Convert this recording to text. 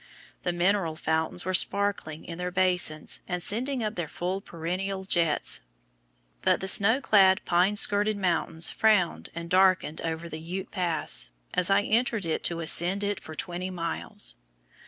The mineral fountains were sparkling in their basins and sending up their full perennial jets but the snow clad, pine skirted mountains frowned and darkened over the Ute Pass as I entered it to ascend it for twenty miles.